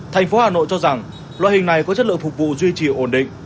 thành phố hà nội cho rằng loại hình này có chất lượng phục vụ duy trì ổn định